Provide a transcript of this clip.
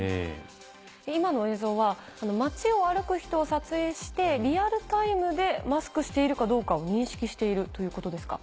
今の映像は街を歩く人を撮影してリアルタイムでマスクしているかどうかを認識しているということですか？